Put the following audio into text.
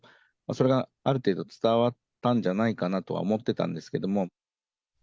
それがある程度伝わったんじゃないかなとは思ってたんですけども。